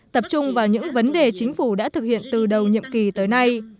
tập trung vào những vấn đề chính phủ đã thực hiện từ đầu nhiệm kỳ tới nay